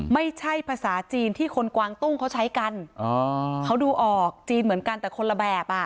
ไม่ใช่ภาษาจีนที่คนกวางตุ้งเขาใช้กันอ๋อเขาดูออกจีนเหมือนกันแต่คนละแบบอ่ะ